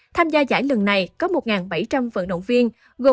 tham gia giải lần này có một bảy trăm linh vận động viên